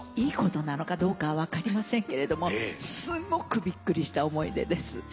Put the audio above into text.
いいことなのかどうか分かりませんけれどもすごくびっくりした思い出です。